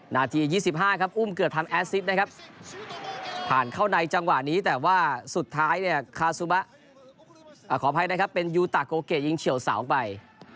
นาที๒๕ครับอุ้มเกือบทำแอสซิดนะครับผ่านเข้าในจังหวะนี้แต่ว่าสุดท้ายเนี่ยคาซูบะขออภัยนะครับเป็นยูตาโกเกะยิงเฉียวเสาไป